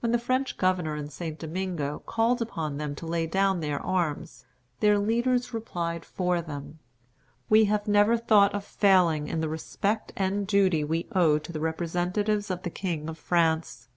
When the French governor in St. Domingo called upon them to lay down their arms, their leaders replied for them: "We have never thought of failing in the respect and duty we owe to the representatives of the King of France.